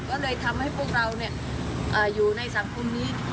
ก็เลยทำให้พวกเราอยู่ในสังคมนี้